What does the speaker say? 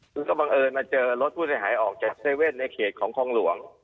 คือก็บังเอิญมาเจอรถผู้เสียหายออกจาก๗๑๑ในเขตของคลองหลวง